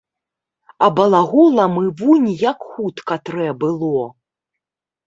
А балаголам і вунь як хутка трэ было.